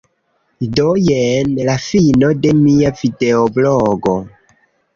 Do, jen la fino de mia videoblogo.